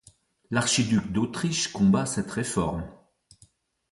L'archiduc d'Autriche combat cette réforme.